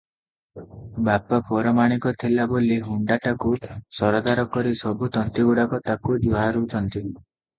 ବାପା ପରମାଣିକ ଥିଲା ବୋଲି ହୁଣ୍ତାଟାକୁ ସରଦାର କରି ସବୁ ତନ୍ତୀଗୁଡ଼ାକ ତାକୁ ଜୁହାରୁଛନ୍ତି ।